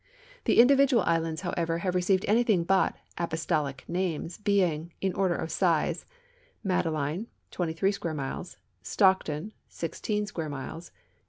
The individual islands, however, have received anything l)ut apostolic names, being, in order of size, Madeline (23 square miles), Stockton (16 square miles).